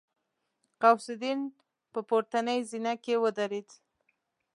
غوث الدين په پورتنۍ زينه کې ودرېد.